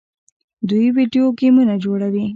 دوی ویډیو ګیمونه جوړوي.